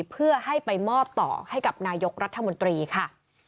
เพื่อให้ไปมอบต่อให้กับนายกรัฐมนตรีค่ะ